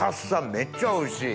めっちゃおいしい。